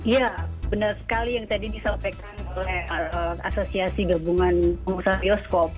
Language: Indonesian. ya benar sekali yang tadi disampaikan oleh asosiasi gabungan pengusaha bioskop